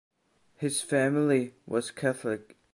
His family was Catholic.